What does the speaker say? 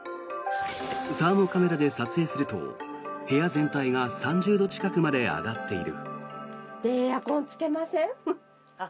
サーモカメラで撮影すると部屋全体が３０度近くまで上がっている。